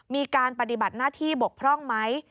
มีการปฏิบัติหน้าที่บกพร่องไหม